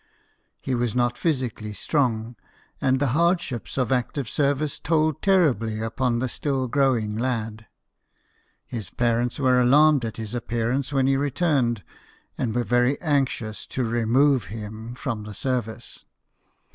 He was not physically strong, and the hardships of active service told terribly upon the still growing lad. His parents were alarmed at his appear ance when he returned, and were very anxious to " remove " him from the service.